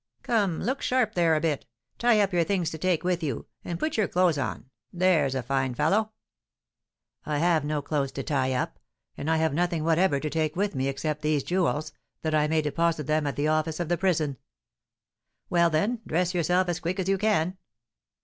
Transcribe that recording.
"Come, look sharp there a bit. Tie up your things to take with you, and put your clothes on, there's a fine fellow!" "I have no clothes to tie up, and have nothing whatever to take with me except these jewels, that I may deposit them at the office of the prison." "Well, then, dress yourself as quick as you can."